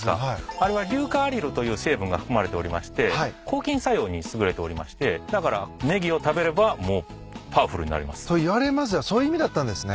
あれは硫化アリルという成分が含まれておりまして抗菌作用に優れておりましてだからネギを食べればもうパワフルになれます。といわれますがそういう意味だったんですね。